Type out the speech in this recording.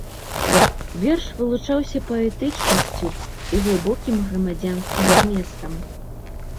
Верш вылучаўся паэтычнасцю і глыбокім грамадзянскім зместам.